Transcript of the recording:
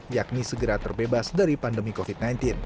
yakni segera terbebas dari pandemi covid sembilan belas